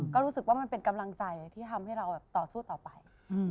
ก็รู้สึกว่ามันเป็นกำลังใจที่ทำให้เราต่อสู้ต่อไป